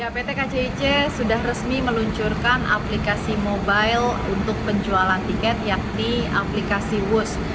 pt kcic sudah resmi meluncurkan aplikasi mobile untuk penjualan tiket yakni aplikasi wus